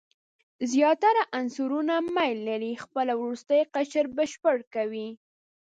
زیاتره عنصرونه میل لري خپل وروستی قشر بشپړ کړي.